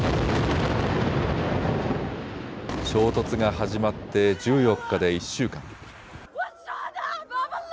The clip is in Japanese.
衝突が始まって１４日で１週間。